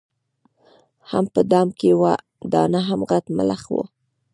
هم په دام کي وه دانه هم غټ ملخ وو